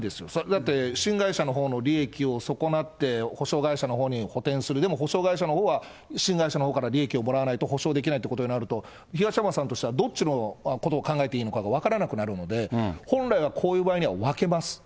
だって、新会社のほうの利益を損なって、補償会社のほうに補填する、でも新会社のほうは新会社のほうから利益をもらわないと補償できないっていうことになると、東山さんとしてはどっちのことを考えていいのかが分からなくなるので、本来はこういう場合には分けます。